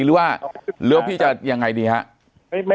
หรือว่าแล้วพี่จะยังไงดีครับ